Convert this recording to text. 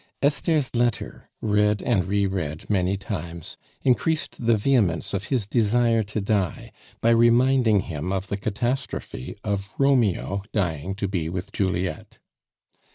Esther's letter, read and reread many times, increased the vehemence of his desire to die by reminding him of the catastrophe of Romeo dying to be with Juliet.